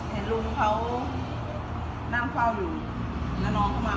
เหตุการณ์เป็นยังไง